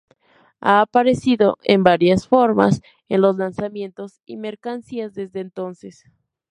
Ha aparecido en varias formas en los lanzamientos y mercancías desde entonces.